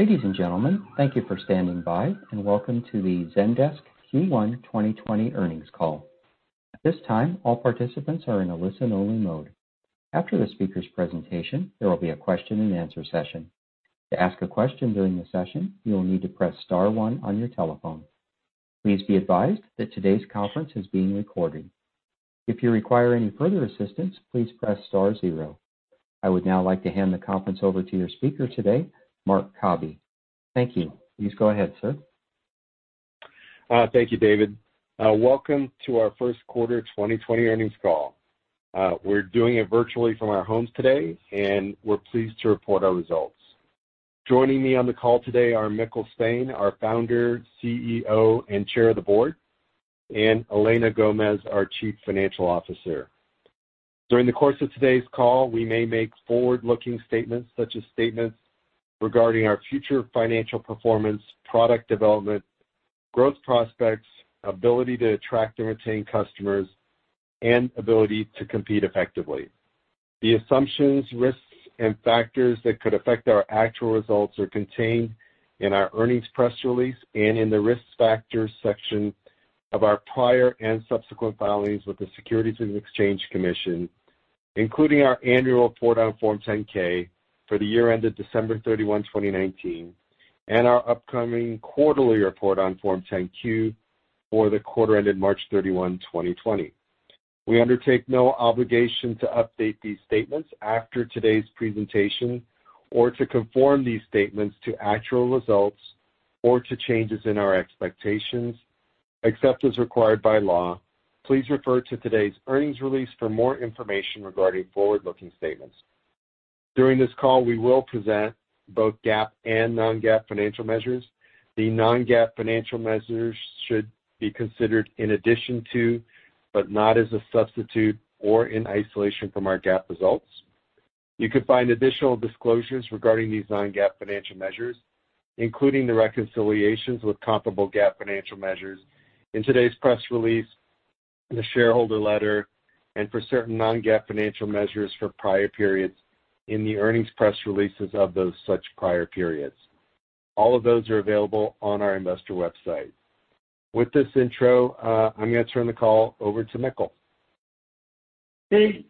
Ladies and gentlemen, thank you for standing by and welcome to the Zendesk Q1 2020 earnings call. At this time, all participants are in a listen-only mode. After the speaker's presentation, there will be a question and answer session. To ask a question during the session, you will need to press star one on your telephone. Please be advised that today's conference is being recorded. If you require any further assistance, please press star zero. I would now like to hand the conference over to your speaker today, Marc Cabi. Thank you. Please go ahead, Sir. Thank you, David. Welcome to our first quarter 2020 earnings call. We're doing it virtually from our homes today, and we're pleased to report our results. Joining me on the call today are Mikkel Svane, our Founder, CEO, and Chair of the Board, and Elena Gomez, our Chief Financial Officer. During the course of today's call, we may make forward-looking statements such as statements regarding our future financial performance, product development, growth prospects, ability to attract and retain customers, and ability to compete effectively. The assumptions, risks, and factors that could affect our actual results are contained in our earnings press release and in the Risk Factors section of our prior and subsequent filings with the Securities and Exchange Commission, including our annual report on Form 10-K for the year ended December 31, 2019, and our upcoming quarterly report on Form 10-Q for the quarter ended March 31, 2020. We undertake no obligation to update these statements after today's presentation or to conform these statements to actual results or to changes in our expectations, except as required by law. Please refer to today's earnings release for more information regarding forward-looking statements. During this call, we will present both GAAP and non-GAAP financial measures. The non-GAAP financial measures should be considered in addition to, but not as a substitute or in isolation from our GAAP results. You could find additional disclosures regarding these non-GAAP financial measures, including the reconciliations with comparable GAAP financial measures in today's press release, in the shareholder letter, and for certain non-GAAP financial measures for prior periods in the earnings press releases of those such prior periods. All of those are available on our investor website. With this intro, I'm going to turn the call over to Mikkel. Hey.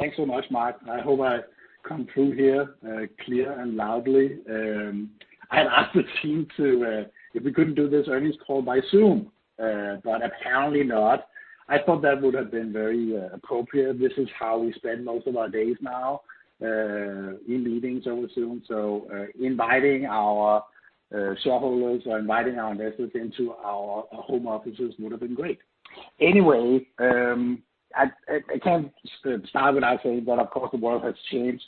Thanks so much, Marc. I hope I come through here clear and loudly. I had asked the team to, if we couldn't do this earnings call by Zoom, but apparently not. I thought that would have been very appropriate. This is how we spend most of our days now, in meetings over Zoom. Inviting our shareholders or inviting our investors into our home offices would have been great. Anyway, I can't start without saying that, of course, the world has changed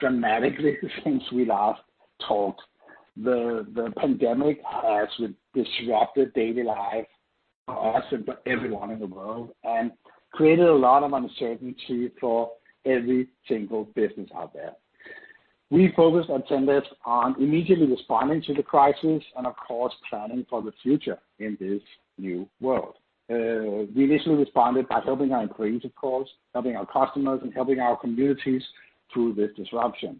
dramatically since we last talked. The pandemic has disrupted daily life for us and for everyone in the world and created a lot of uncertainty for every single business out there. We focused at Zendesk on immediately responding to the crisis and of course, planning for the future in this new world. We initially responded by helping our employees, of course, helping our customers, and helping our communities through this disruption.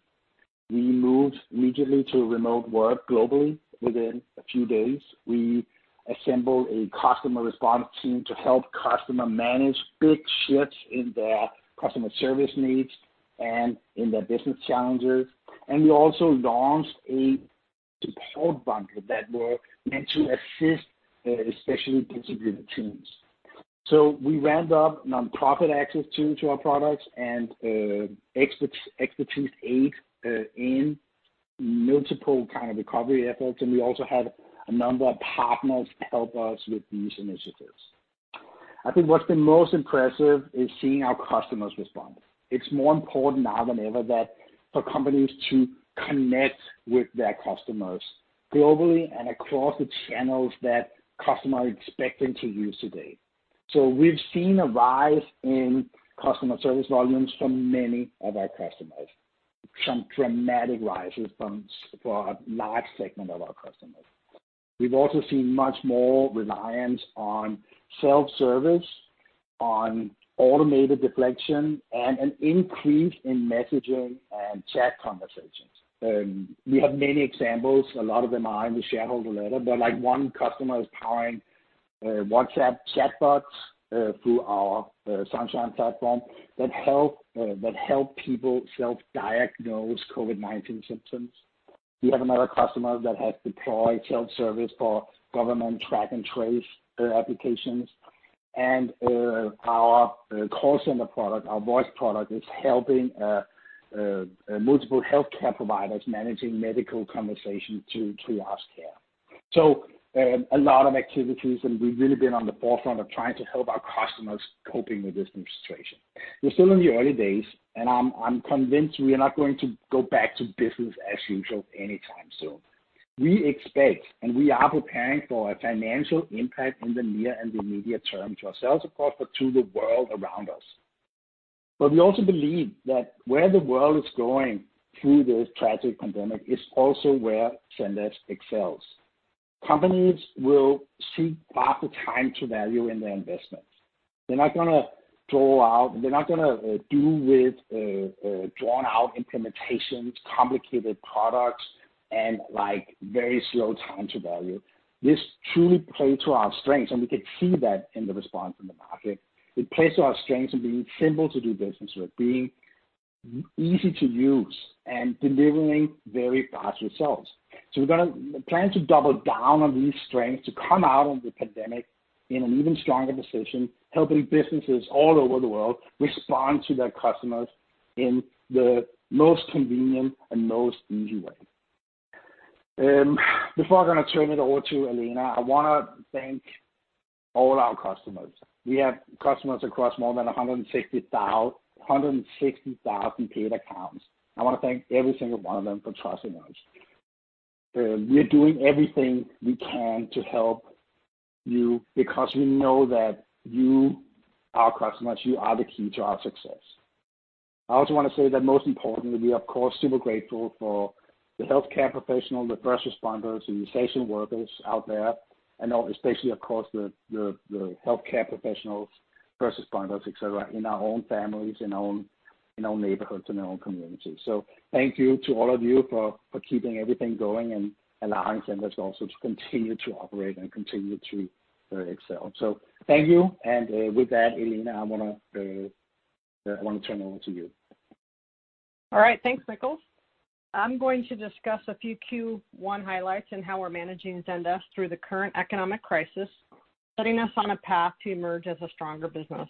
We moved immediately to remote work globally within a few days. We assembled a customer response team to help customers manage big shifts in their customer service needs and in their business challenges. We also launched a support bundle that were meant to assist especially distributed teams. We ramped up nonprofit access to our products and expertise aid in multiple kind of recovery efforts, and we also had a number of partners help us with these initiatives. I think what's been most impressive is seeing our customers respond. It's more important now than ever that for companies to connect with their customers globally and across the channels that customers are expecting to use today. We've seen a rise in customer service volumes from many of our customers, some dramatic rises for a large segment of our customers. We've also seen much more reliance on self-service, on automated deflection, and an increase in messaging and chat conversations. We have many examples. A lot of them are in the shareholder letter, but like one customer is powering WhatsApp chatbots through our Sunshine platform that help people self-diagnose COVID-19 symptoms. We have another customer that has deployed self-service for government track and trace applications. Our call center product, our voice product, is helping multiple healthcare providers managing medical conversations through us care. A lot of activities, and we've really been on the forefront of trying to help our customers coping with this new situation. We're still in the early days, and I'm convinced we are not going to go back to business as usual anytime soon. We expect, and we are preparing for a financial impact in the near and immediate term to ourselves, of course, but to the world around us. We also believe that where the world is going through this tragic pandemic is also where Zendesk excels. Companies will seek faster time to value in their investments. They're not going to deal with drawn-out implementations, complicated products, and very slow time to value. This truly plays to our strengths, and we could see that in the response from the market. It plays to our strengths in being simple to do business with, being easy to use, and delivering very fast results. We're going to plan to double down on these strengths to come out of the pandemic in an even stronger position, helping businesses all over the world respond to their customers in the most convenient and most easy way. Before I'm going to turn it over to Elena, I want to thank all our customers. We have customers across more than 160,000 paid accounts. I want to thank every single one of them for trusting us. We're doing everything we can to help you, because we know that you, our customers, you are the key to our success. I also want to say that most importantly, we are, of course, super grateful for the healthcare professionals, the first responders, the essential workers out there, and especially, of course, the healthcare professionals, first responders, et cetera, in our own families, in our own neighborhoods, in our own communities. Thank you to all of you for keeping everything going and allowing Zendesk also to continue to operate and continue to excel. Thank you. With that, Elena, I want to turn it over to you. All right. Thanks, Mikkel. I'm going to discuss a few Q1 highlights and how we're managing Zendesk through the current economic crisis, putting us on a path to emerge as a stronger business.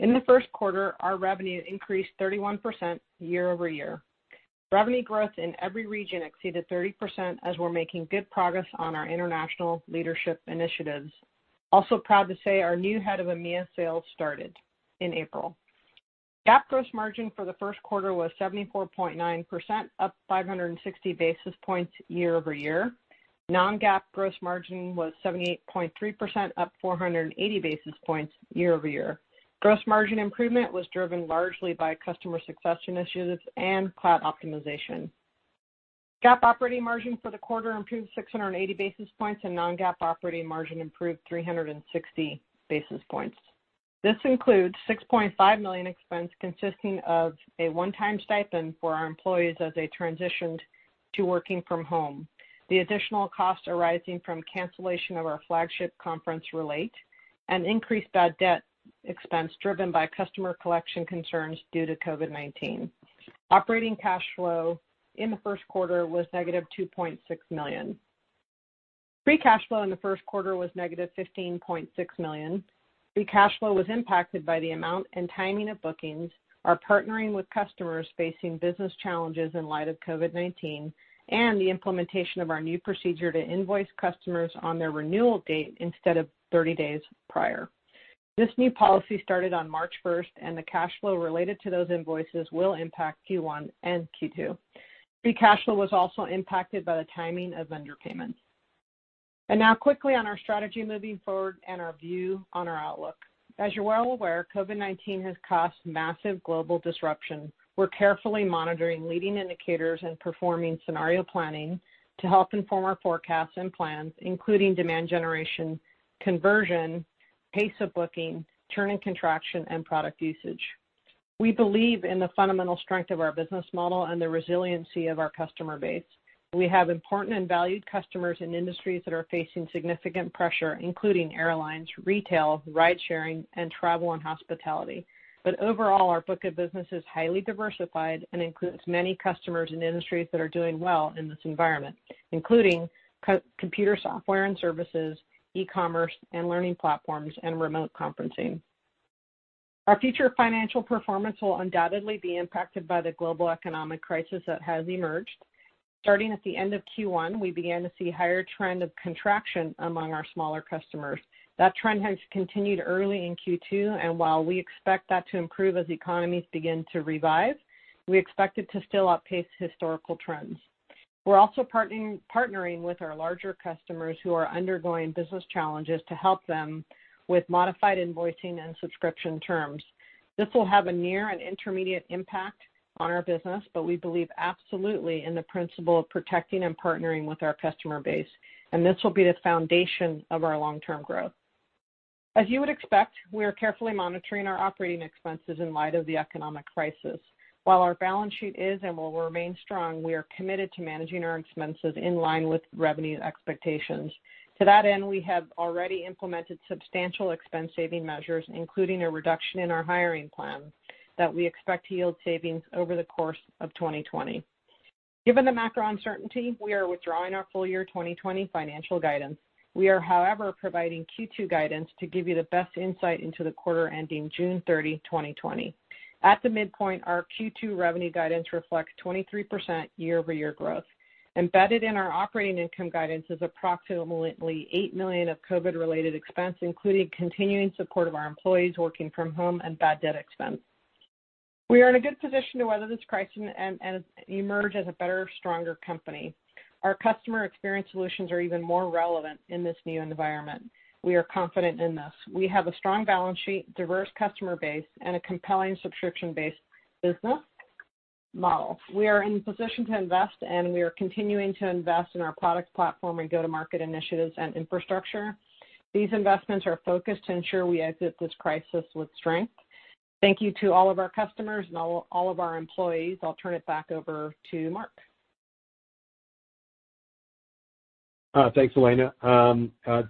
In the first quarter, our revenue increased 31% year-over-year. Revenue growth in every region exceeded 30% as we're making good progress on our international leadership initiatives. Also proud to say our new Head of EMEA sales started in April. GAAP gross margin for the first quarter was 74.9%, up 560 basis points year-over-year. Non-GAAP gross margin was 78.3%, up 480 basis points year-over-year. Gross margin improvement was driven largely by customer success initiatives and cloud optimization. GAAP operating margin for the quarter improved 680 basis points, and non-GAAP operating margin improved 360 basis points. This includes $6.5 million expense consisting of a one-time stipend for our employees as they transitioned to working from home. The additional costs arising from cancellation of our flagship conference, Relate, and increased bad debt expense driven by customer collection concerns due to COVID-19. Operating cash flow in the first quarter was $-2.6 million. Free cash flow in the first quarter was $-15.6 million. Free cash flow was impacted by the amount and timing of bookings, our partnering with customers facing business challenges in light of COVID-19, and the implementation of our new procedure to invoice customers on their renewal date instead of 30 days prior. This new policy started on March 1st, and the cash flow related to those invoices will impact Q1 and Q2. Free cash flow was also impacted by the timing of vendor payments. Now quickly on our strategy moving forward and our view on our outlook. As you're well aware, COVID-19 has caused massive global disruption. We're carefully monitoring leading indicators and performing scenario planning to help inform our forecasts and plans, including demand generation, conversion, pace of booking, churn and contraction, and product usage. We believe in the fundamental strength of our business model and the resiliency of our customer base. We have important and valued customers in industries that are facing significant pressure, including airlines, retail, ride sharing, and travel and hospitality. Overall, our book of business is highly diversified and includes many customers in industries that are doing well in this environment, including computer software and services, e-commerce, and learning platforms, and remote conferencing. Our future financial performance will undoubtedly be impacted by the global economic crisis that has emerged. Starting at the end of Q1, we began to see higher trend of contraction among our smaller customers. That trend has continued early in Q2. While we expect that to improve as economies begin to revive, we expect it to still outpace historical trends. We're also partnering with our larger customers who are undergoing business challenges to help them with modified invoicing and subscription terms. This will have a near and intermediate impact on our business. We believe absolutely in the principle of protecting and partnering with our customer base. This will be the foundation of our long-term growth. As you would expect, we are carefully monitoring our operating expenses in light of the economic crisis. While our balance sheet is and will remain strong, we are committed to managing our expenses in line with revenue expectations. To that end, we have already implemented substantial expense saving measures, including a reduction in our hiring plan that we expect to yield savings over the course of 2020. Given the macro uncertainty, we are withdrawing our full year 2020 financial guidance. We are, however, providing Q2 guidance to give you the best insight into the quarter ending June 30, 2020. At the midpoint, our Q2 revenue guidance reflects 23% year-over-year growth. Embedded in our operating income guidance is approximately $8 million of COVID-related expense, including continuing support of our employees working from home and bad debt expense. We are in a good position to weather this crisis and emerge as a better, stronger company. Our customer experience solutions are even more relevant in this new environment. We are confident in this. We have a strong balance sheet, diverse customer base, and a compelling subscription-based business model. We are in a position to invest, and we are continuing to invest in our product platform and go-to-market initiatives and infrastructure. These investments are focused to ensure we exit this crisis with strength. Thank you to all of our customers and all of our employees. I'll turn it back over to Marc. Thanks, Elena.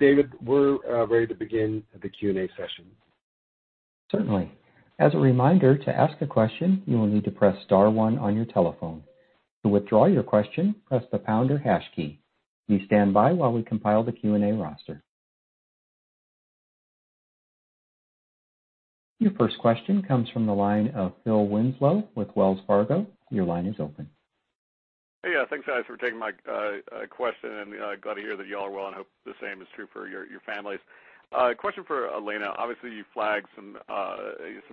David, we're ready to begin the Q&A session. Certainly. As a reminder, to ask a question, you will need to press star one on your telephone. To withdraw your question, press the pound or hash key. Please stand by while we compile the Q&A roster. Your first question comes from the line of Phil Winslow with Wells Fargo. Your line is open. Hey. Yeah, thanks, guys, for taking my question. Glad to hear that you all are well, and hope the same is true for your families. Question for Elena. Obviously, you flagged some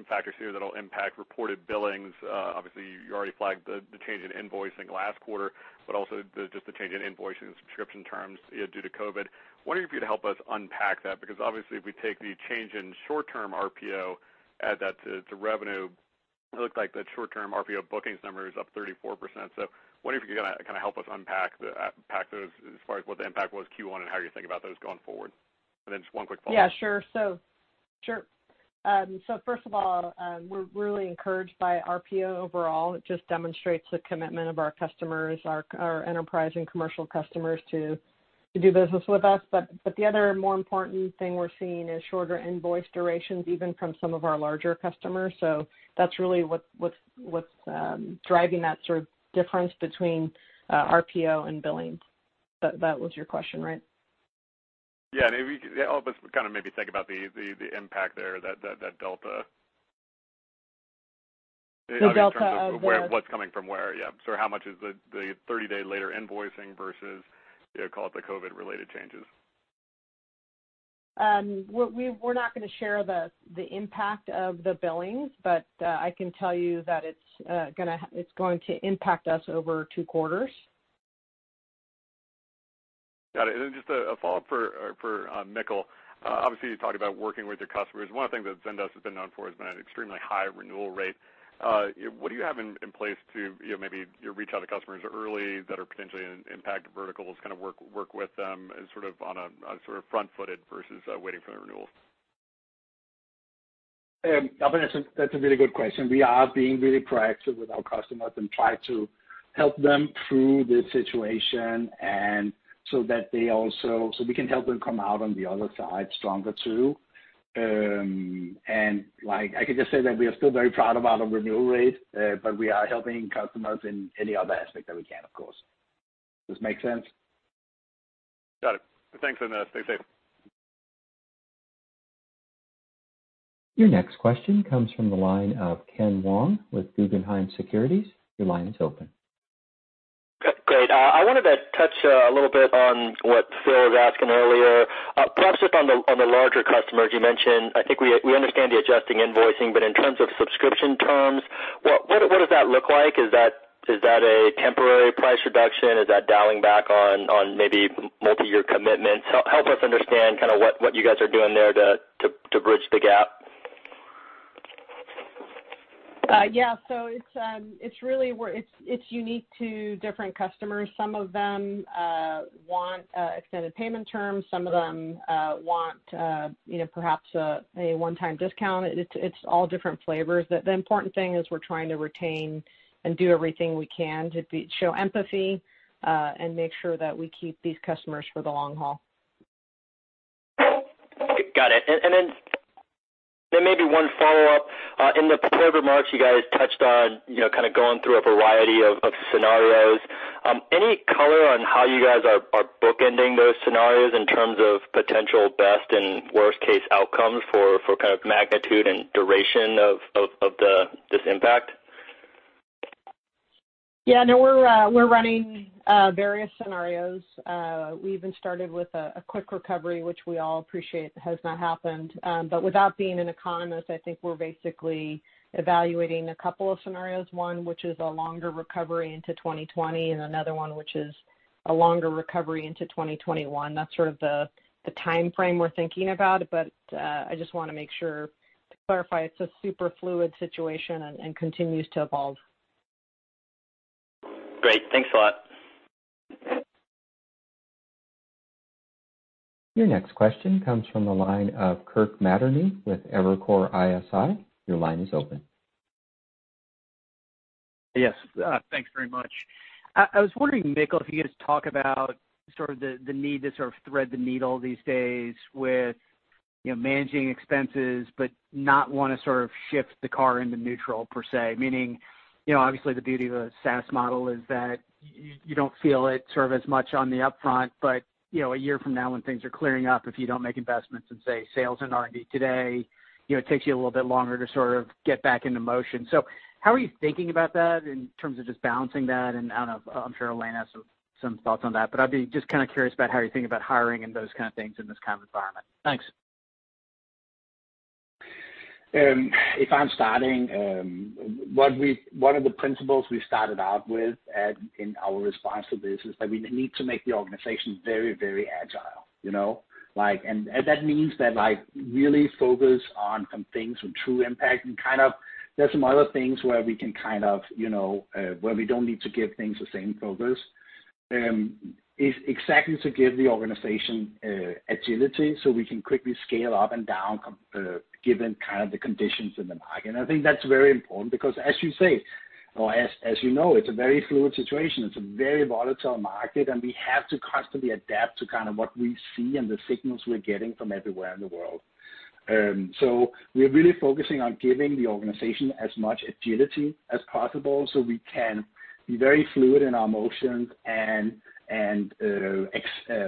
factors here that'll impact reported billings. Obviously, you already flagged the change in invoicing last quarter. Also just the change in invoicing subscription terms due to COVID. Wondering if you'd help us unpack that, because obviously if we take the change in short-term RPO, add that to revenue, it looked like the short-term RPO bookings number is up 34%. Wondering if you can help us unpack those as far as what the impact was Q1 and how you think about those going forward. Then just one quick follow-up. Yeah, sure. First of all, we're really encouraged by RPO overall. It just demonstrates the commitment of our customers, our enterprise and commercial customers, to do business with us. The other more important thing we're seeing is shorter invoice durations, even from some of our larger customers. That's really what's driving that sort of difference between RPO and billing. That was your question, right? Yeah. Maybe help us kind of maybe think about the impact there, that delta? The delta of the? In terms of what's coming from where, yeah. How much is the 30-day later invoicing versus, call it the COVID-related changes? We're not going to share the impact of the billings, but I can tell you that it's going to impact us over two quarters. Got it. Just a follow-up for Mikkel. Obviously, you talked about working with your customers. One of the things that Zendesk has been known for has been an extremely high renewal rate. What do you have in place to maybe reach out to customers early that are potentially in impacted verticals, kind of work with them on a sort of front-footed versus waiting for the renewals? I think that's a really good question. We are being really proactive with our customers and try to help them through this situation, and so we can help them come out on the other side stronger, too. I can just say that we are still very proud of our renewal rate, but we are helping customers in any other aspect that we can, of course. This make sense? Got it. Thanks and stay safe. Your next question comes from the line of Ken Wong with Guggenheim Securities. Your line is open. Great. I wanted to touch a little bit on what Phil was asking earlier. Perhaps just on the larger customers you mentioned, I think we understand the adjusting invoicing, but in terms of subscription terms, what does that look like? Is that a temporary price reduction? Is that dialing back on maybe multi-year commitments? Help us understand what you guys are doing there to bridge the gap. Yeah. It's unique to different customers. Some of them want extended payment terms. Some of them want perhaps a one-time discount. It's all different flavors. The important thing is we're trying to retain and do everything we can to show empathy and make sure that we keep these customers for the long haul. Got it. Maybe one follow-up. In the prepared remarks, you guys touched on kind of going through a variety of scenarios. Any color on how you guys are bookending those scenarios in terms of potential best and worst case outcomes for kind of magnitude and duration of this impact? Yeah, no, we're running various scenarios. We even started with a quick recovery, which we all appreciate has not happened. Without being an economist, I think we're basically evaluating a couple of scenarios. One, which is a longer recovery into 2020, and another one, which is a longer recovery into 2021. That's sort of the timeframe we're thinking about. I just want to make sure to clarify it's a super fluid situation and continues to evolve. Great. Thanks a lot. Your next question comes from the line of Kirk Materne with Evercore ISI. Your line is open. Yes. Thanks very much. I was wondering, Mikkel, if you could just talk about sort of the need to sort of thread the needle these days with managing expenses but not want to sort of shift the car into neutral, per se. Meaning obviously the beauty of a SaaS model is that you don't feel it sort of as much on the upfront, but a year from now, when things are clearing up, if you don't make investments in, say, sales and R&D today. It takes you a little bit longer to sort of get back into motion. How are you thinking about that in terms of just balancing that? I don't know, I'm sure Elena has some thoughts on that, but I'd be just kind of curious about how you think about hiring and those kind of things in this kind of environment? Thanks. If I'm starting, one of the principles we started out with in our response to this is that we need to make the organization very, very agile. That means that really focus on some things with true impact, and there's some other things where we don't need to give things the same focus. It's exactly to give the organization agility so we can quickly scale up and down given the conditions in the market. I think that's very important because as you say, or as you know, it's a very fluid situation. It's a very volatile market, and we have to constantly adapt to what we see and the signals we're getting from everywhere in the world. We are really focusing on giving the organization as much agility as possible so we can be very fluid in our motions and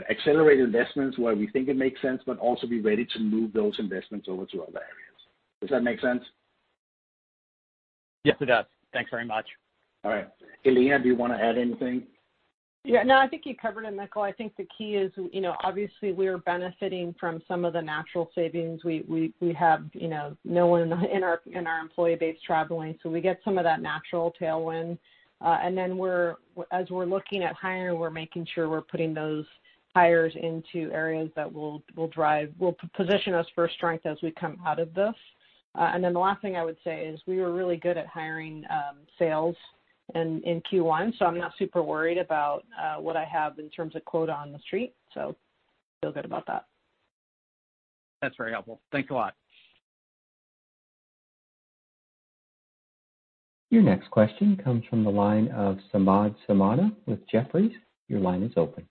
accelerate investments where we think it makes sense, but also be ready to move those investments over to other areas. Does that make sense? Yes, it does. Thanks very much. All right. Elena, do you want to add anything? No, I think you covered it, Mikkel. I think the key is, obviously we're benefiting from some of the natural savings. We have no one in our employee base traveling, so we get some of that natural tailwind. As we're looking at hiring, we're making sure we're putting those hires into areas that will position us for strength as we come out of this. The last thing I would say is we were really good at hiring sales in Q1, so I'm not super worried about what I have in terms of quota on the street, so I feel good about that. That's very helpful. Thanks a lot. Your next question comes from the line of Samad Samana with Jefferies. Your line is open.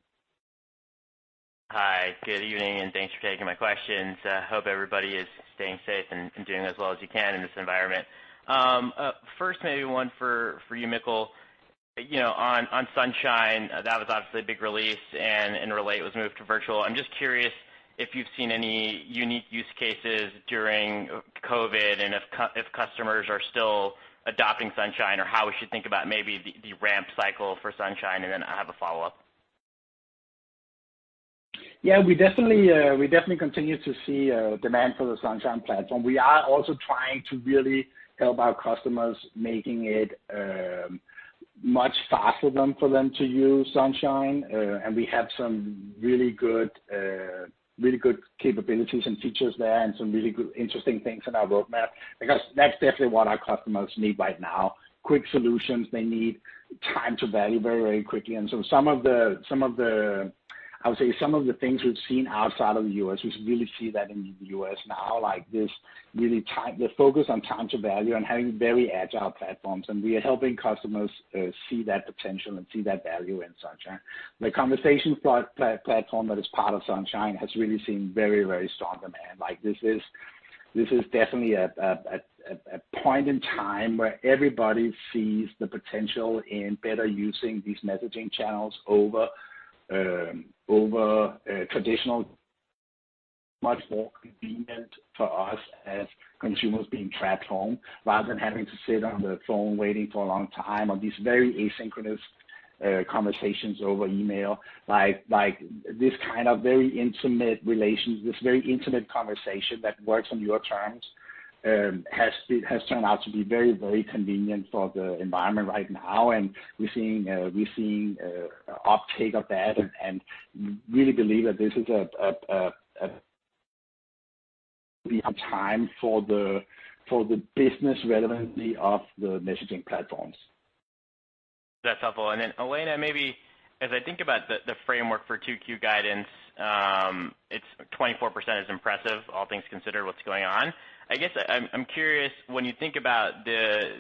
Hi, good evening, and thanks for taking my questions. Hope everybody is staying safe and doing as well as you can in this environment. First, maybe one for you, Mikkel. On Sunshine, that was obviously a big release, and Relate was moved to virtual. I'm just curious if you've seen any unique use cases during COVID, and if customers are still adopting Sunshine, or how we should think about maybe the ramp cycle for Sunshine? I have a follow-up. Yeah, we definitely continue to see demand for the Sunshine platform. We are also trying to really help our customers, making it much faster for them to use Sunshine. We have some really good capabilities and features there, and some really good, interesting things in our roadmap, because that's definitely what our customers need right now, quick solutions. They need time to value very quickly. I would say, some of the things we've seen outside of the U.S., we really see that in the U.S. now, like this really the focus on time to value and having very agile platforms, and we are helping customers see that potential and see that value in Sunshine. The conversation platform that is part of Sunshine has really seen very strong demand. This is definitely a point in time where everybody sees the potential in better using these messaging channels over traditional, much more convenient for us as consumers being trapped home, rather than having to sit on the phone waiting for a long time, or these very asynchronous conversations over email. This kind of very intimate conversation that works on your terms has turned out to be very, very convenient for the environment right now, and we're seeing uptake of that, and really believe that this is a time for the business relevancy of the messaging platforms. That's helpful. Elena, maybe as I think about the framework for 2Q guidance, 24% is impressive, all things considered what's going on. I guess I'm curious, when you think about the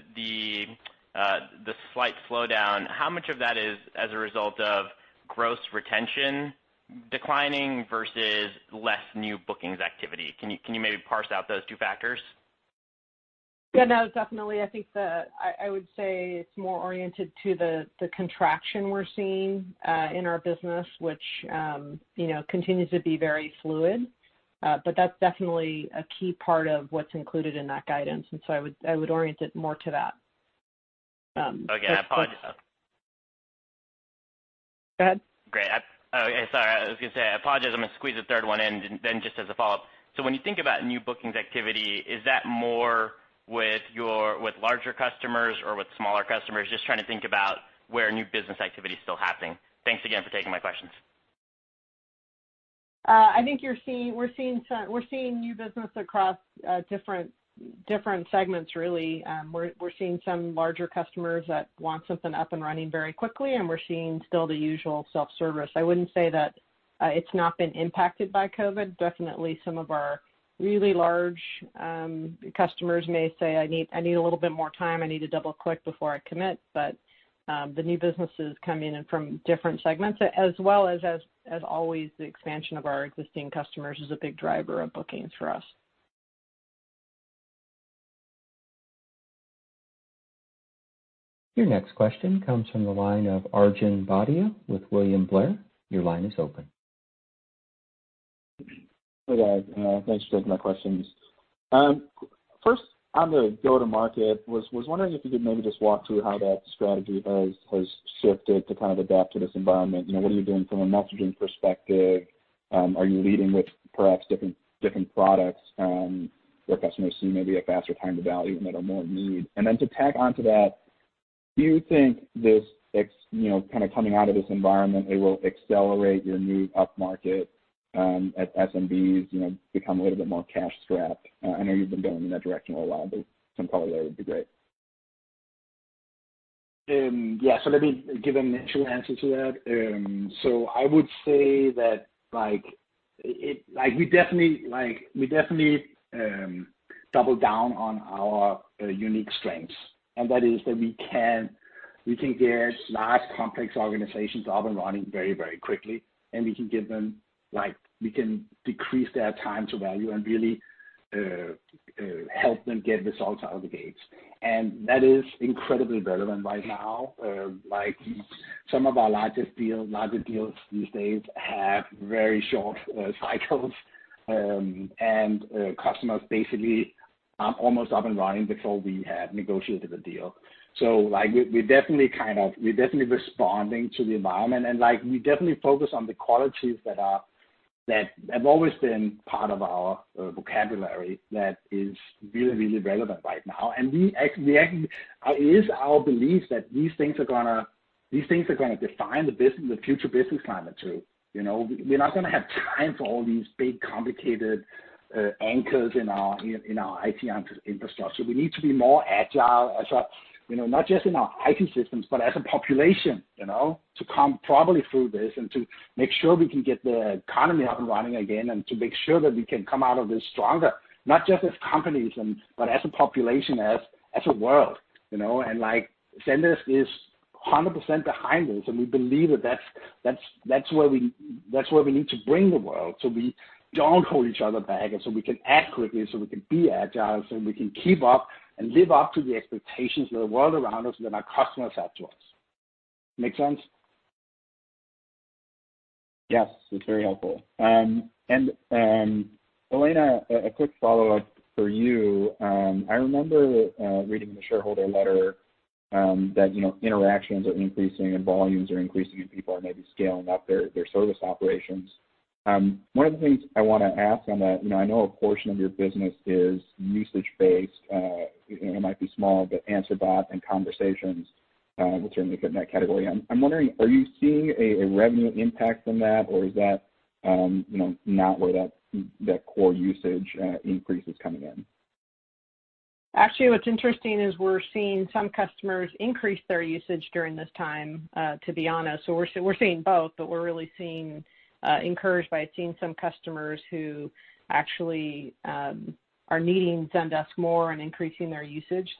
slight slowdown, how much of that is as a result of gross retention declining versus less new bookings activity? Can you maybe parse out those two factors? Yeah, no, definitely. I think that I would say it's more oriented to the contraction we're seeing in our business, which continues to be very fluid. That's definitely a key part of what's included in that guidance, and so I would orient it more to that. Okay. I apologize. Go ahead. Great. Okay. Sorry, I was going to say, I apologize, I'm going to squeeze a third one in then just as a follow-up. When you think about new bookings activity, is that more with larger customers or with smaller customers? Just trying to think about where new business activity is still happening. Thanks again for taking my questions. I think we're seeing new business across different segments, really. We're seeing some larger customers that want something up and running very quickly, and we're seeing still the usual self-service. I wouldn't say that it's not been impacted by COVID-19. Definitely some of our really large customers may say, I need a little bit more time. I need to double-click before I commit. The new business is coming in from different segments, as well as always, the expansion of our existing customers is a big driver of bookings for us. Your next question comes from the line of Arjun Bhatia with William Blair. Your line is open. Hey, guys. Thanks for taking my questions. First, on the go-to-market, was wondering if you could maybe just walk through how that strategy has shifted to kind of adapt to this environment. What are you doing from a messaging perspective? Are you leading with perhaps different products where customers see maybe a faster time to value and that are more in need? Then to tag onto that, do you think this kind of coming out of this environment, it will accelerate your move upmarket as SMBs become a little bit more cash strapped? I know you've been going in that direction a while, but some color there would be great. Yeah. Let me give an initial answer to that. I would say that we definitely double down on our unique strengths, and that is that we can get large, complex organizations up and running very quickly, and we can decrease their time to value and really help them get results out of the gates. That is incredibly relevant right now. Some of our largest deals these days have very short cycles, and customers basically are almost up and running before we have negotiated a deal. We're definitely responding to the environment, and we definitely focus on the qualities that have always been part of our vocabulary that is really relevant right now. It is our belief that these things are going to define the future business climate too. We're not going to have time for all these big, complicated anchors in our IT infrastructure. We need to be more agile, not just in our IT systems, but as a population, to come properly through this and to make sure we can get the economy up and running again, and to make sure that we can come out of this stronger, not just as companies, but as a population, as a world. Zendesk is 100% behind this, and we believe that that's where we need to bring the world, so we don't hold each other back and so we can act quickly, so we can be agile, so we can keep up and live up to the expectations of the world around us and that our customers have to us. Make sense? Yes. It's very helpful. Elena, a quick follow-up for you. I remember reading the shareholder letter that interactions are increasing and volumes are increasing, and people are maybe scaling up their service operations. One of the things I want to ask on that, I know a portion of your business is usage-based. It might be small, but Answer Bot and conversations will certainly fit in that category. I'm wondering, are you seeing a revenue impact from that, or is that not where that core usage increase is coming in? Actually, what's interesting is we're seeing some customers increase their usage during this time, to be honest. We're seeing both, but we're really encouraged by seeing some customers who actually are needing Zendesk more and increasing their usage.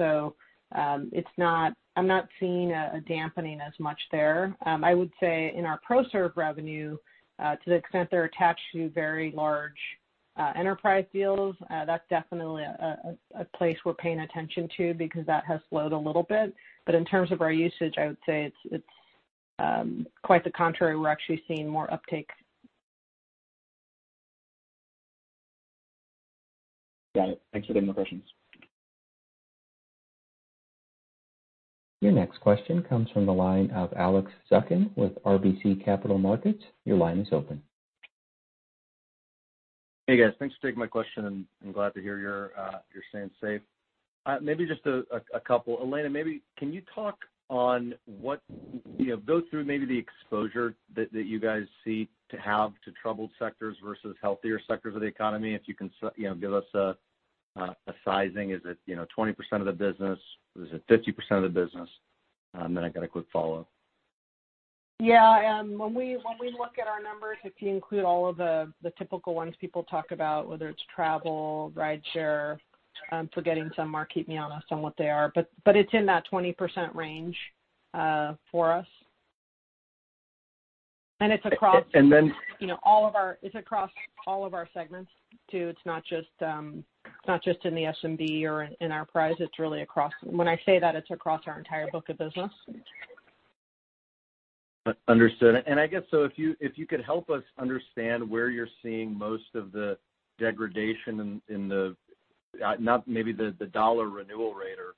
I'm not seeing a dampening as much there. I would say in our Proserve revenue, to the extent they're attached to very large enterprise deals, that's definitely a place we're paying attention to because that has slowed a little bit. In terms of our usage, I would say it's quite the contrary. We're actually seeing more uptake. Got it. Thanks for taking the questions. Your next question comes from the line of Alex Zukin with RBC Capital Markets. Your line is open. Hey, guys. Thanks for taking my question, and I'm glad to hear you're staying safe. Maybe just a couple. Elena, can you talk on go through maybe the exposure that you guys seem to have to troubled sectors versus healthier sectors of the economy. If you can give us a sizing. Is it 20% of the business? Is it 50% of the business? I got a quick follow-up. Yeah. When we look at our numbers, if you include all of the typical ones people talk about, whether it's travel, ride share. I'm forgetting some, Marc, keep me honest on what they are, but it's in that 20% range for us. And then- It's across all of our segments too. It's not just in the SMB or in enterprise. When I say that, it's across our entire book of business. Understood. I guess so if you could help us understand where you're seeing most of the degradation in the, not maybe the dollar renewal rate, or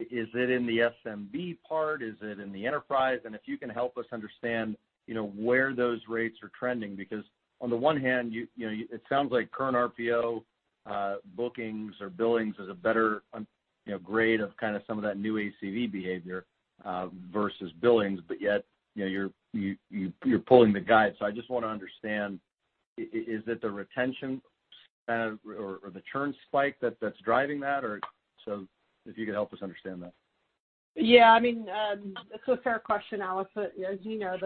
is it in the SMB part? Is it in the enterprise? If you can help us understand where those rates are trending, because on the one hand, it sounds like current RPO bookings or billings is a better grade of kind of some of that new ACV behavior, versus billings, but yet you're pulling the guide. I just want to understand, is it the retention or the churn spike that's driving that? If you could help us understand that. Yeah. It's a fair question, Alex. As you know,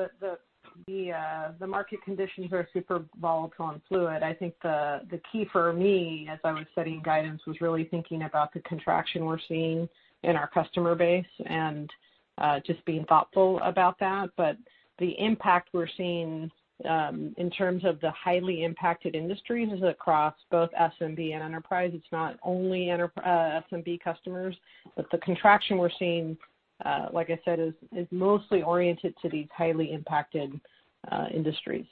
the market conditions are super volatile and fluid. I think the key for me, as I was setting guidance, was really thinking about the contraction we're seeing in our customer base and just being thoughtful about that. The impact we're seeing in terms of the highly impacted industries is across both SMB and enterprise. It's not only SMB customers. The contraction we're seeing, like I said, is mostly oriented to these highly impacted industries.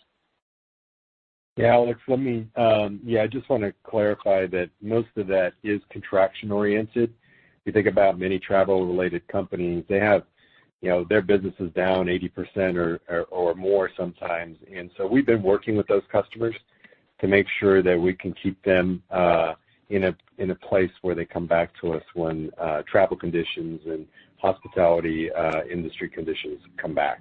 Yeah, Alex, I just want to clarify that most of that is contraction oriented. If you think about many travel related companies, their business is down 80% or more sometimes. We've been working with those customers to make sure that we can keep them in a place where they come back to us when travel conditions and hospitality industry conditions come back.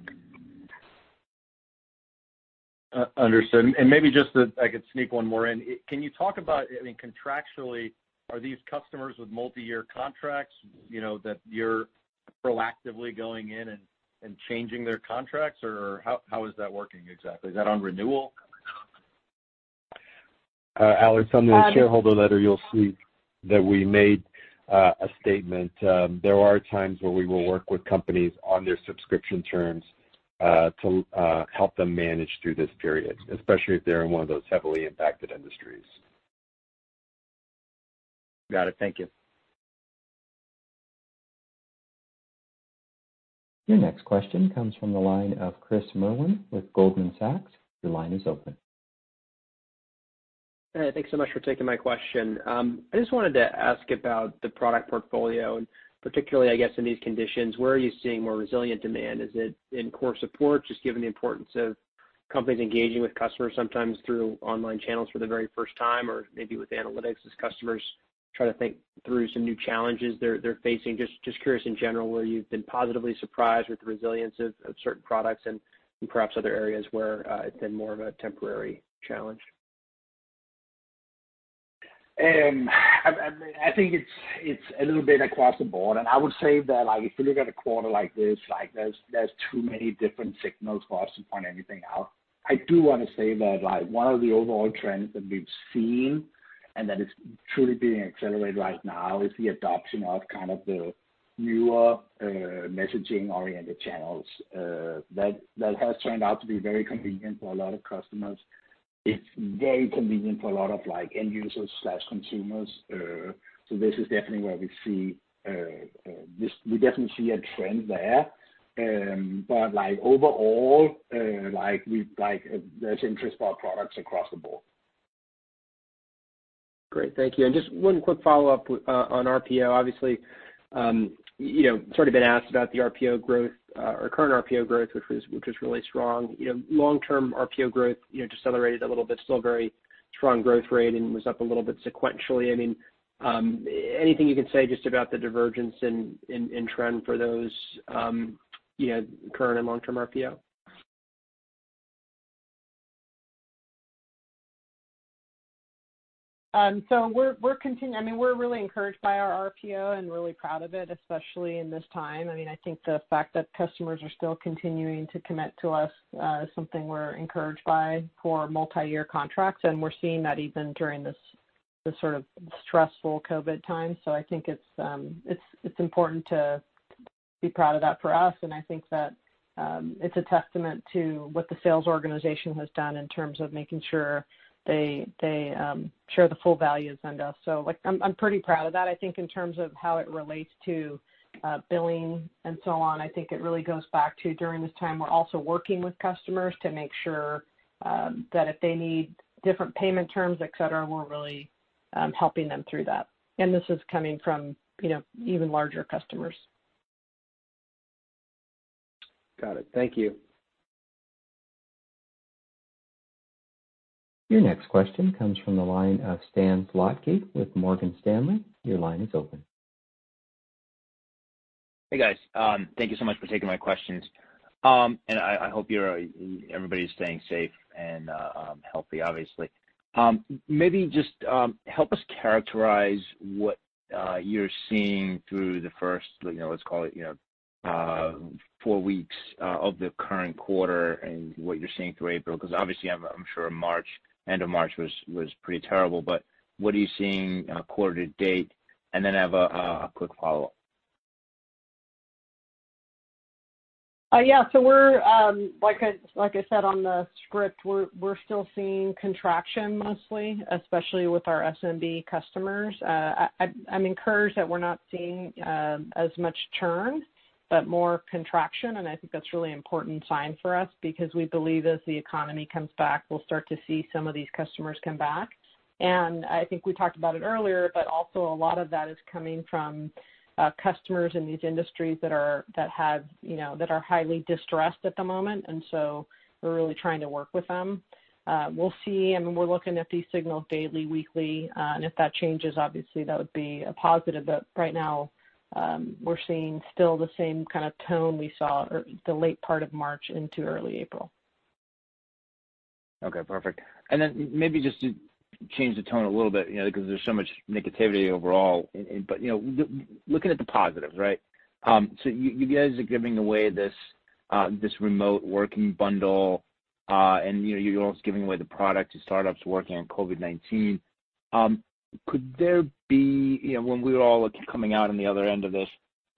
Understood. Maybe just that I could sneak one more in. Can you talk about, contractually, are these customers with multi-year contracts, that you're proactively going in and changing their contracts? Or how is that working exactly? Is that on renewal? Alex, on the shareholder letter, you'll see that we made a statement. There are times where we will work with companies on their subscription terms, to help them manage through this period, especially if they're in one of those heavily impacted industries. Got it. Thank you. Your next question comes from the line of Chris Merwin with Goldman Sachs. Your line is open. Hey, thanks so much for taking my question. I just wanted to ask about the product portfolio, and particularly, I guess, in these conditions, where are you seeing more resilient demand? Is it in core support, just given the importance of companies engaging with customers sometimes through online channels for the very first time or maybe with analytics as customers try to think through some new challenges they're facing? Just curious in general, where you've been positively surprised with the resilience of certain products and perhaps other areas where it's been more of a temporary challenge. I think it's a little bit across the board. I would say that if you look at a quarter like this, there's too many different signals for us to point anything out. I do want to say that one of the overall trends that we've seen, that is truly being accelerated right now, is the adoption of kind of the newer messaging-oriented channels. That has turned out to be very convenient for a lot of customers. It's very convenient for a lot of end users/consumers. This is definitely where we definitely see a trend there. Overall, there's interest for our products across the board. Great. Thank you. Just one quick follow-up on RPO. Obviously, sort of been asked about the current RPO growth, which was really strong. Long-term RPO growth decelerated a little bit, still very strong growth rate, and was up a little bit sequentially. Anything you can say just about the divergence in trend for those current and long-term RPO? We're really encouraged by our RPO and really proud of it, especially in this time. I think the fact that customers are still continuing to commit to us is something we're encouraged by for multi-year contracts, and we're seeing that even during this sort of stressful COVID time. I think it's important to be proud of that for us, and I think that it's a testament to what the sales organization has done in terms of making sure they share the full value of Zendesk. I'm pretty proud of that. I think in terms of how it relates to billing and so on, I think it really goes back to during this time, we're also working with customers to make sure that if they need different payment terms, et cetera, we're really helping them through that. This is coming from even larger customers. Got it. Thank you. Your next question comes from the line of Stan Zlotsky with Morgan Stanley. Your line is open. Hey, guys. Thank you so much for taking my questions. I hope everybody's staying safe and healthy, obviously. Maybe just help us characterize what you're seeing through the first, let's call it, four weeks of the current quarter and what you're seeing through April, because obviously, I'm sure end of March was pretty terrible. What are you seeing quarter-to-date? Then I have a quick follow-up. Yeah. Like I said on the script, we're still seeing contraction mostly, especially with our SMB customers. I'm encouraged that we're not seeing as much churn, but more contraction. I think that's a really important sign for us because we believe as the economy comes back, we'll start to see some of these customers come back. I think we talked about it earlier, but also a lot of that is coming from customers in these industries that are highly distressed at the moment. We're really trying to work with them. We'll see, we're looking at these signals daily, weekly. If that changes, obviously, that would be a positive. Right now, we're seeing still the same kind of tone we saw the late part of March into early April. Okay, perfect. Maybe just to change the tone a little bit, because there's so much negativity overall. Looking at the positives, right? You guys are giving away this remote working bundle, and you're also giving away the product to startups working on COVID-19. Could there be, when we're all coming out on the other end of this,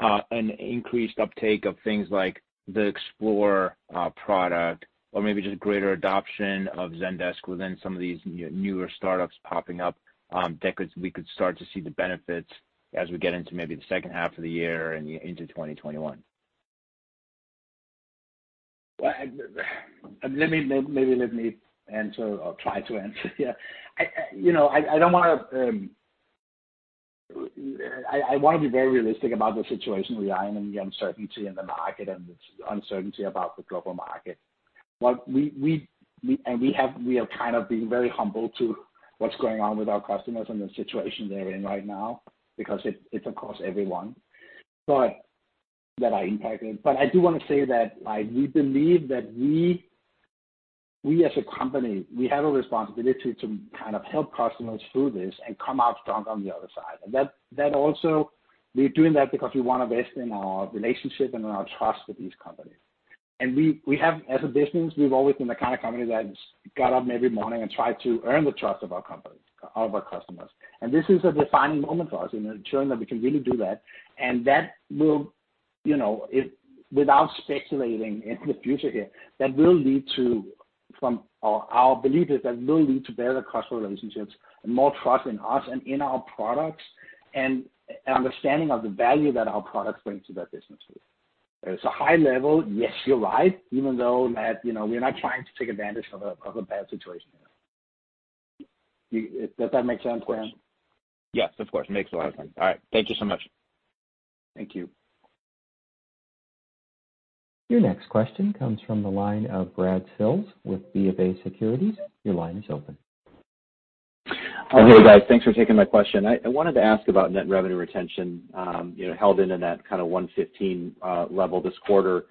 an increased uptake of things like the Explore product or maybe just greater adoption of Zendesk within some of these newer startups popping up, that we could start to see the benefits as we get into maybe the second half of the year and into 2021? Maybe let me answer or try to answer. I want to be very realistic about the situation we are in, and the uncertainty in the market, and the uncertainty about the global market. We have kind of been very humble to what's going on with our customers and the situation they're in right now, because it's across everyone. I do want to say that we believe that we as a company, we have a responsibility to help customers through this and come out strong on the other side. That also, we're doing that because we want to invest in our relationship and in our trust with these companies. We have, as a business, we've always been the kind of company that got up every morning and tried to earn the trust of our customers. This is a defining moment for us, and it's showing that we can really do that. That will, without speculating into the future here, our belief is that will lead to better customer relationships and more trust in us and in our products, and understanding of the value that our products bring to their businesses. High level, yes, you're right. Even though that we're not trying to take advantage of a bad situation here. Does that make sense, Stan? Yes, of course. Makes a lot of sense. All right. Thank you so much. Thank you. Your next question comes from the line of Brad Sills with BofA Securities. Your line is open. Hey, guys. Thanks for taking my question. I wanted to ask about net revenue retention, held into that kind of 115% level this quarter.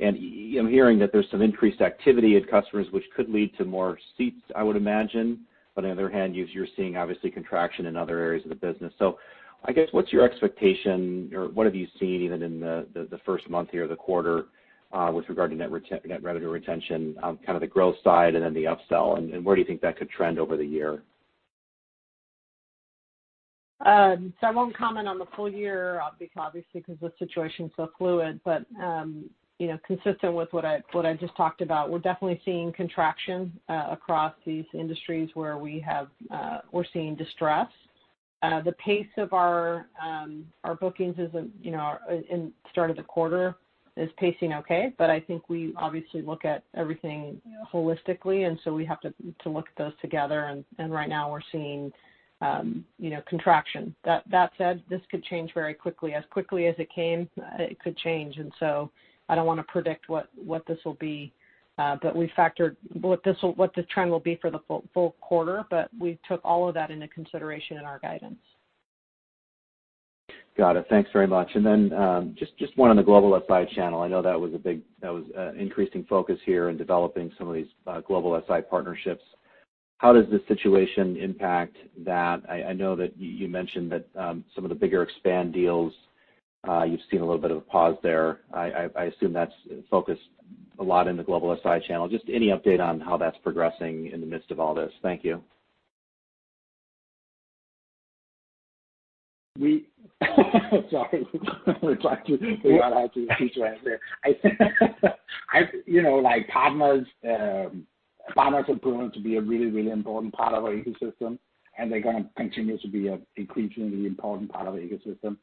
I'm hearing that there's some increased activity in customers which could lead to more seats, I would imagine. On the other hand, you're seeing obviously contraction in other areas of the business. I guess, what's your expectation or what have you seen even in the first month here of the quarter with regard to net revenue retention on kind of the growth side and then the upsell, and where do you think that could trend over the year? I won't comment on the full year, obviously because the situation's so fluid. Consistent with what I just talked about, we're definitely seeing contraction across these industries where we're seeing distress. The pace of our bookings in start of the quarter is pacing okay, but I think we obviously look at everything holistically, and so we have to look at those together. Right now we're seeing contraction. That said, this could change very quickly. As quickly as it came, it could change. I don't want to predict what this will be, what the trend will be for the full quarter, but we took all of that into consideration in our guidance. Got it. Thanks very much. Just one on the global SI channel. I know that was an increasing focus here in developing some of these global SI partnerships. How does this situation impact that? I know that you mentioned that some of the bigger expand deals, you've seen a little bit of a pause there. I assume that's focused a lot in the global SI channel. Just any update on how that's progressing in the midst of all this. Thank you. We sorry. We're trying to figure out how to answer. Partners have proven to be a really important part of our ecosystem, and they're going to continue to be an increasingly important part of our ecosystem.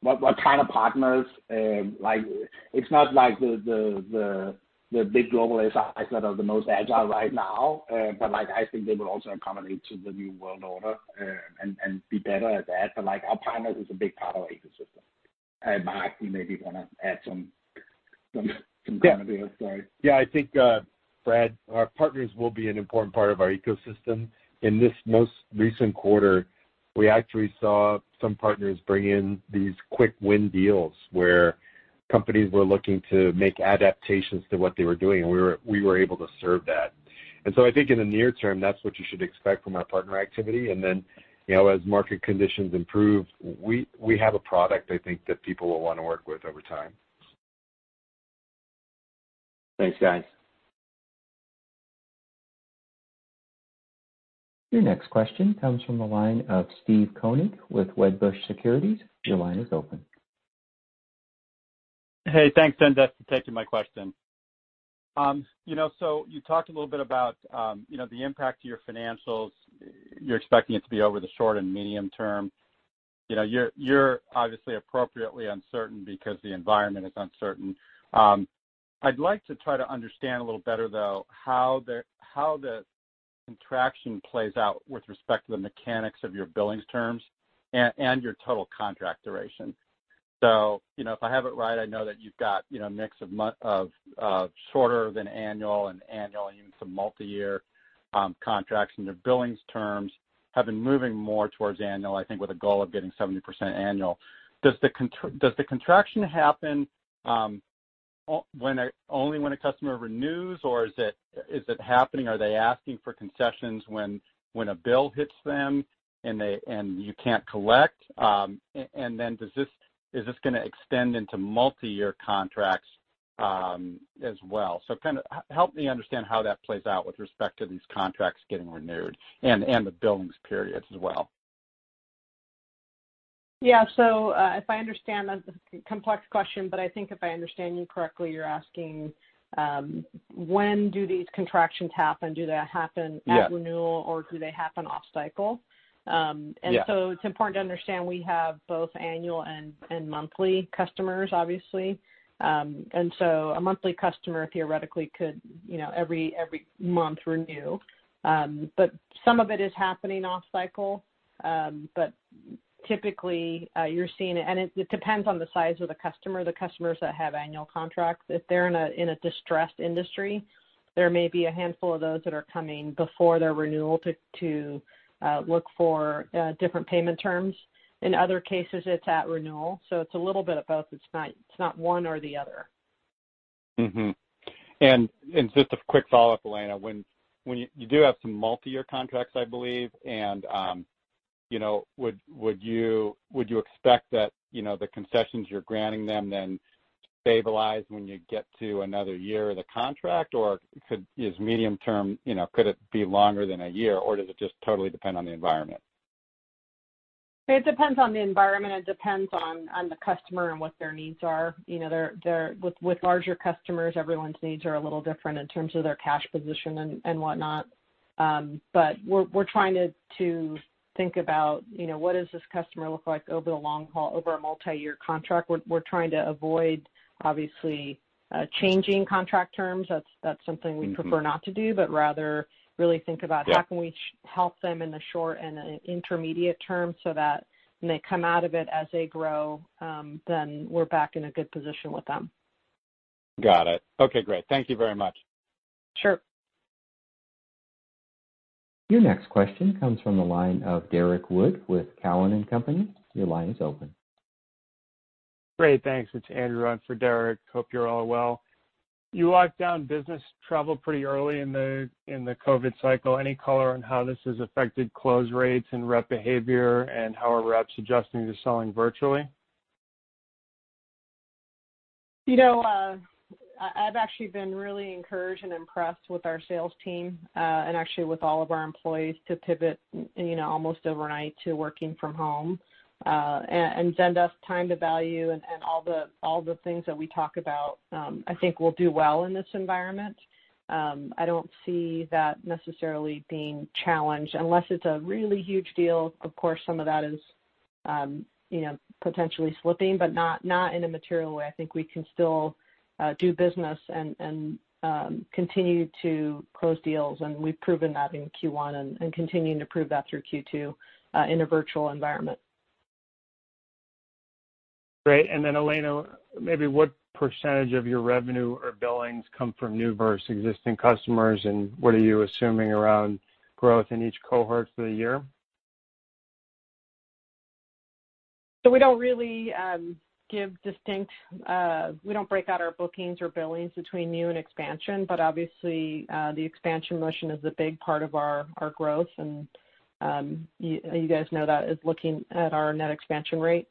What kind of partners? It's not like the big global SIs that are the most agile right now. I think they will also accommodate to the new world order, and be better at that. Our partners is a big part of our ecosystem. Marc, you maybe want to add some. Clarity there. Sorry. Yeah. I think, Brad, our partners will be an important part of our ecosystem. In this most recent quarter, we actually saw some partners bring in these quick win deals where companies were looking to make adaptations to what they were doing, and we were able to serve that. I think in the near term, that's what you should expect from our partner activity. As market conditions improve, we have a product I think that people will want to work with over time. Thanks, guys. Your next question comes from the line of Steve Koenig with Wedbush Securities. Your line is open. Hey, thanks for taking my question. You talked a little bit about the impact to your financials. You're expecting it to be over the short and medium term. You're obviously appropriately uncertain because the environment is uncertain. I'd like to try to understand a little better though how the contraction plays out with respect to the mechanics of your billings terms and your total contract duration. If I have it right, I know that you've got a mix of shorter than annual and annual and even some multi-year contracts, and your billings terms have been moving more towards annual, I think with a goal of getting 70% annual. Does the contraction happen only when a customer renews, or are they asking for concessions when a bill hits them, and you can't collect? Is this going to extend into multi-year contracts as well? Help me understand how that plays out with respect to these contracts getting renewed and the billings periods as well? Yeah. If I understand, that's a complex question, but I think if I understand you correctly, you're asking when do these contractions happen? Yeah. At renewal or do they happen off cycle? Yeah. It's important to understand we have both annual and monthly customers, obviously. A monthly customer theoretically could every month renew. Some of it is happening off cycle. Typically, you're seeing it, and it depends on the size of the customer. The customers that have annual contracts, if they're in a distressed industry, there may be a handful of those that are coming before their renewal to look for different payment terms. In other cases, it's at renewal. It's a little bit of both. It's not one or the other. Just a quick follow-up, Elena. You do have some multi-year contracts, I believe. Would you expect that the concessions you're granting them then stabilize when you get to another year of the contract, or is medium term, could it be longer than a year, or does it just totally depend on the environment? It depends on the environment. It depends on the customer and what their needs are. With larger customers, everyone's needs are a little different in terms of their cash position and whatnot. We're trying to think about, what does this customer look like over the long haul, over a multi-year contract? We're trying to avoid, obviously, changing contract terms. That's something we prefer not to do, but rather really think about how can we help them in the short and the intermediate term so that when they come out of it as they grow, then we're back in a good position with them. Got it. Okay, great. Thank you very much. Sure. Your next question comes from the line of Derrick Wood with Cowen and Company. Your line is open. Great. Thanks. It's [Andrew] in for Derrick. Hope you're all well. You locked down business travel pretty early in the COVID cycle. Any color on how this has affected close rates and rep behavior, and how are reps adjusting to selling virtually? I've actually been really encouraged and impressed with our sales team, and actually with all of our employees to pivot, almost overnight, to working from home. Zendesk time to value and all the things that we talk about, I think will do well in this environment. I don't see that necessarily being challenged unless it's a really huge deal. Of course, some of that is potentially slipping, but not in a material way. I think we can still do business and continue to close deals, and we've proven that in Q1 and continuing to prove that through Q2 in a virtual environment. Elena, maybe what percentage of your revenue or billings come from new versus existing customers, and what are you assuming around growth in each cohort for the year? We don't break out our bookings or billings between new and expansion. Obviously, the expansion motion is a big part of our growth, and you guys know that as looking at our net expansion rate.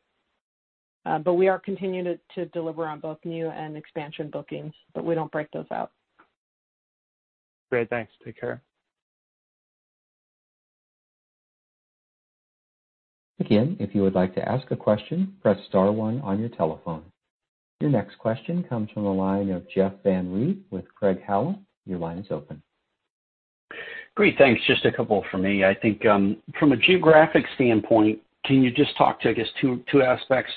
We are continuing to deliver on both new and expansion bookings, but we don't break those out. Great, thanks. Take care. Again, if you would like to ask a question, press star one on your telephone. Your next question comes from the line of Jeff Van Rhee with Craig-Hallum. Your line is open. Great. Thanks. Just a couple from me. I think from a geographic standpoint, can you just talk to, I guess, two aspects,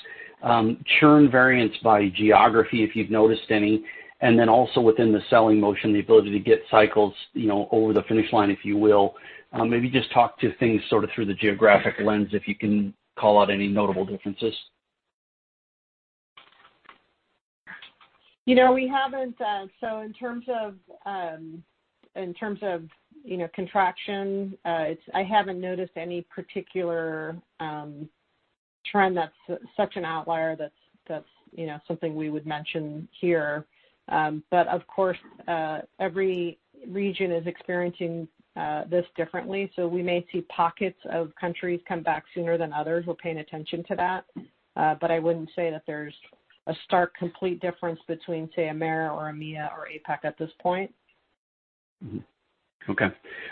churn variance by geography, if you've noticed any, and then also within the selling motion, the ability to get cycles over the finish line, if you will. Maybe just talk to things sort of through the geographic lens, if you can call out any notable differences? We haven't. In terms of contraction, I haven't noticed any particular trend that's such an outlier that's something we would mention here. Of course, every region is experiencing this differently, so we may see pockets of countries come back sooner than others. We're paying attention to that. I wouldn't say that there's a stark complete difference between, say, America or EMEA or APAC at this point. Okay.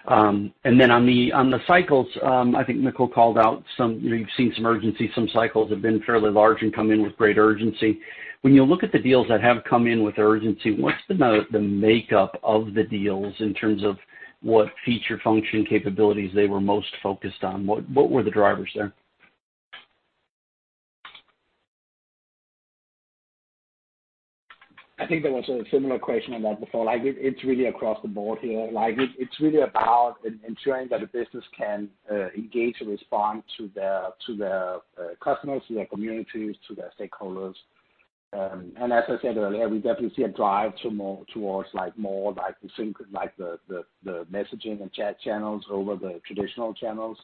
On the cycles, I think Mikkel called out some, you've seen some urgency, some cycles have been fairly large and come in with great urgency. When you look at the deals that have come in with urgency, what's the makeup of the deals in terms of what feature function capabilities they were most focused on? What were the drivers there? I think there was a similar question on that before. It's really across the board here. It's really about ensuring that the business can engage and respond to their customers, to their communities, to their stakeholders. As I said earlier, we definitely see a drive towards more like the messaging and chat channels over the traditional channels.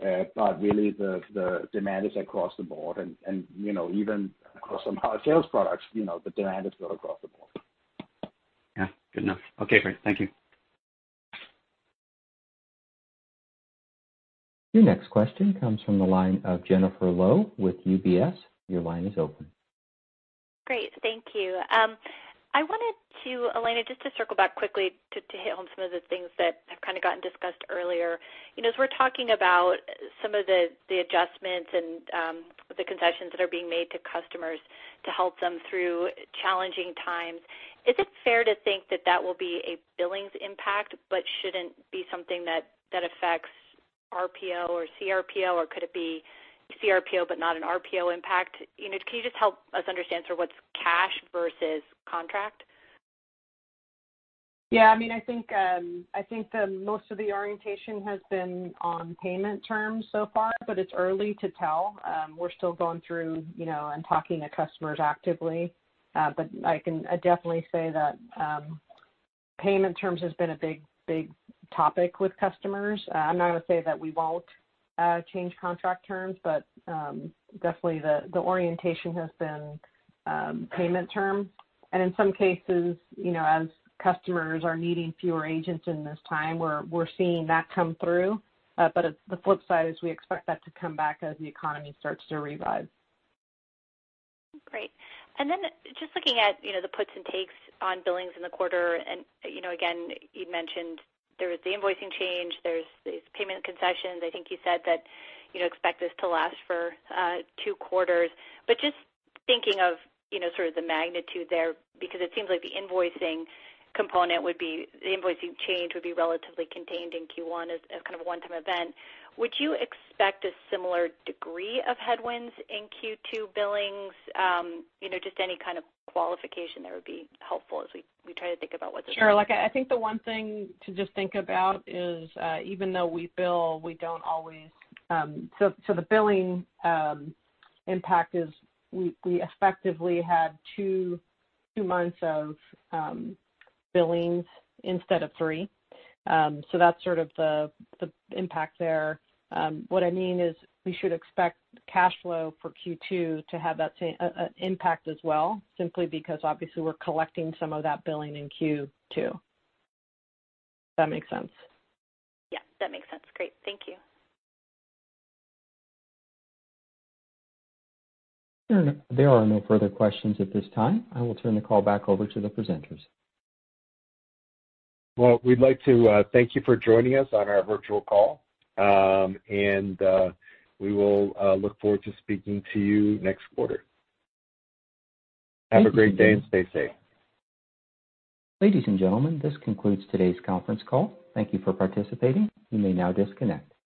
Really the demand is across the board and even across some of our sales products, the demand is really across the board. Yeah. Good enough. Okay, great. Thank you. Your next question comes from the line of Jennifer Lowe with UBS. Your line is open. Great. Thank you. I wanted to, Elena, just to circle back quickly to hit on some of the things that have kind of gotten discussed earlier. As we're talking about some of the adjustments and the concessions that are being made to customers to help them through challenging times, is it fair to think that that will be a billings impact but shouldn't be something that affects RPO or CRPO, or could it be CRPO but not an RPO impact? Can you just help us understand sort of what's cash versus contract? Yeah. I think that most of the orientation has been on payment terms so far. It's early to tell. We're still going through and talking to customers actively. I can definitely say that payment terms has been a big topic with customers. I'm not going to say that we won't change contract terms, but definitely the orientation has been payment terms. In some cases, as customers are needing fewer agents in this time, we're seeing that come through. The flip side is we expect that to come back as the economy starts to revive. Great. Just looking at the puts and takes on billings in the quarter, again, you mentioned there was the invoicing change, there's these payment concessions. I think you said that you expect this to last for two quarters. Just thinking of sort of the magnitude there, because it seems like the invoicing change would be relatively contained in Q1 as kind of a one-time event. Would you expect a similar degree of headwinds in Q2 billings? Just any kind of qualification there would be helpful as we try to think about. Sure. I think the one thing to just think about is, even though we bill, we don't always. The billing impact is we effectively had two months of billings instead of three. That's sort of the impact there. What I mean is we should expect cash flow for Q2 to have that same impact as well, simply because obviously we're collecting some of that billing in Q2. Does that make sense? Yeah, that makes sense. Great. Thank you. There are no further questions at this time. I will turn the call back over to the presenters. Well, we'd like to thank you for joining us on our virtual call, and we will look forward to speaking to you next quarter. Have a great day, and stay safe. Ladies and gentlemen, this concludes today's conference call. Thank you for participating. You may now disconnect.